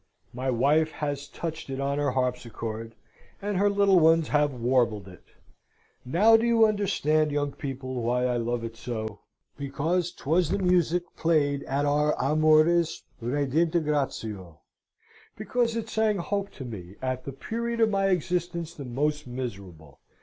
My wife has touched it on her harpsichord, and her little ones have warbled it. Now, do you understand, young people, why I love it so? Because 'twas the music played at our amoris redintegratio. Because it sang hope to me, at the period of my existence the most miserable.